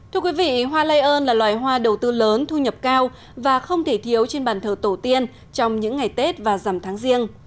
thưa quý vị hoa lây ơn là loài hoa đầu tư lớn thu nhập cao và không thể thiếu trên bàn thờ tổ tiên trong những ngày tết và dằm tháng riêng